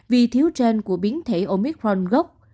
vì thiếu trên của biến thể omicron gốc